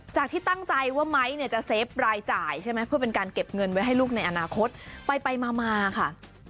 ที่ตั้งใจว่าไม้เนี่ยจะเซฟรายจ่ายใช่ไหมเพื่อเป็นการเก็บเงินไว้ให้ลูกในอนาคตไปมาค่ะ